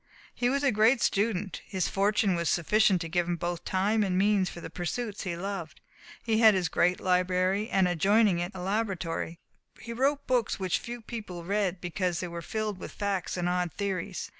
He was a great student. His fortune was sufficient to give him both time and means for the pursuits he loved. He had his great library, and adjoining it a laboratory. He wrote books which few people read because they were filled with facts and odd theories.